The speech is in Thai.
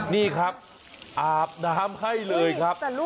นี่ครับอาบน้ำให้เลยครับ